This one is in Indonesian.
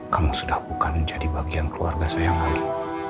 kamu sudah bukan jadi bagian keluarga saya lagi